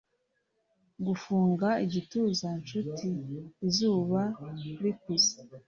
gufunga igituza-nshuti izuba rikuze;